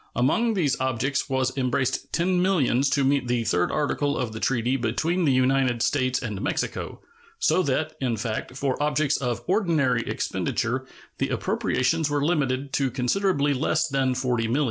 Among these objects was embraced ten millions to meet the third article of the treaty between the United States and Mexico; so that, in fact, for objects of ordinary expenditure the appropriations were limited to considerably less than $40,000,000.